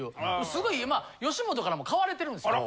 すごい今吉本からも買われてるんですよ。